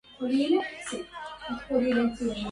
غض عني بالله طرفك إني